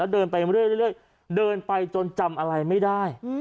เดินไปเรื่อยเดินไปจนจำอะไรไม่ได้